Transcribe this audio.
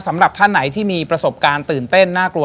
สำหรับท่านไหนที่มีประสบการณ์ตื่นเต้นน่ากลัว